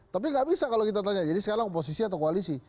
tapi nggak bisa kalau kita tanya jadi sekarang oposisi atau koalisi